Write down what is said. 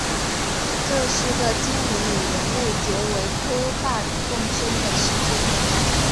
这是个精灵与人类结为夥伴共生的世界。